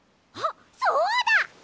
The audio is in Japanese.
あっそうだ！